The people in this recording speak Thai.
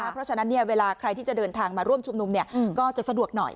เพราะฉะนั้นเวลาใครที่จะเดินทางมาร่วมชุมนุมก็จะสะดวกหน่อย